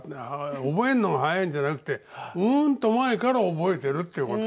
覚えんのが早いんじゃなくてうんと前から覚えてるってこと。